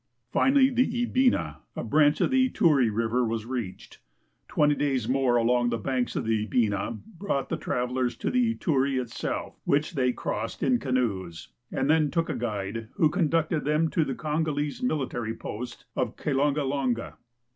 Finally the Ibina, a branch of the Ituri river, was reached. Twenty days more along the banks of the Ibina brought the travelers to the Ituri itself, which they crossed in canoes, and then took a guide, who con ducted them to the Kongolese military post of Kilongalonga.